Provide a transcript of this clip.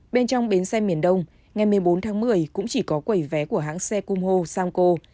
bên trong bến xe miền đông ngày một mươi bốn tháng một mươi cũng chỉ có quầy vé của hãng xe cung ho samco